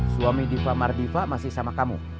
suami diva mardiva masih sama kamu